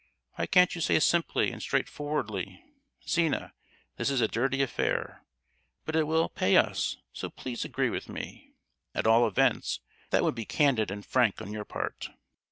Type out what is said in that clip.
Why can't you say simply and straightforwardly, 'Zina, this is a dirty affair, but it will pay us, so please agree with me?' at all events, that would be candid and frank on your part."